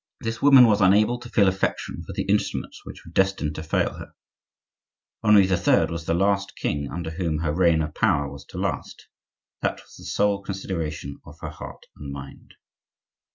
This woman was unable to feel affection for the instruments which were destined to fail her. Henri III. was the last king under whom her reign of power was to last; that was the sole consideration of her heart and mind.